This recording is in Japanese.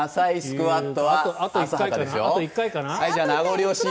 あと１回かな。